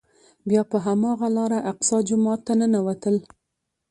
بیا په هماغه لاره الاقصی جومات ته ننوتل.